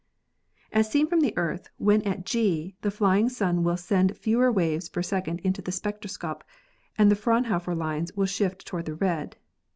As seen from the Earth when at G, the flying sun will send fewer waves per second into the spectroscope and the Fraunhofer lines will shift toward the red.